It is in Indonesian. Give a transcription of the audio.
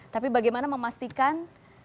tapi bagaimana memastikan